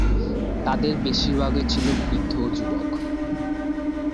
তাদের বেশিরভাগই ছিল বৃদ্ধ ও যুবক।